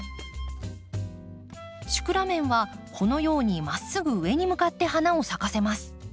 シクラメンはこのようにまっすぐ上に向かって花を咲かせます。